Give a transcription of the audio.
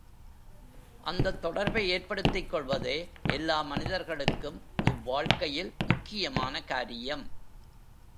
அந்தத் தொடர்பை ஏற்படுத்திக் கொள்வதே எல்லா மனிதர்களுக்கும் இவ் வாழ்க்கையில் முக்கியமான காரியம்.